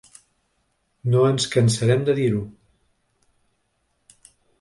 No ens cansarem de dir-ho.